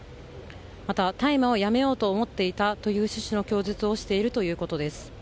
また大麻をやめようと思っていたという趣旨の供述をしているということです。